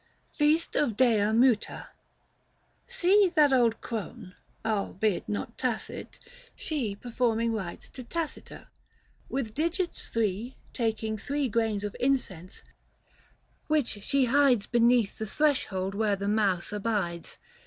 FEAST OF DEA MUTA. See that old crone, albeit not tacit, she Performing rites to Tacita : with digits three Taking three grains of incense, which she hides 610 Beneath |he threshold where the mouse abides.